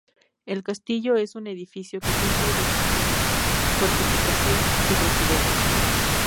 El castillo es un edificio que cumple dos funciones: fortificación y residencia.